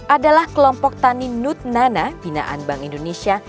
adalah kelompok tani nut nana binaan bank indonesia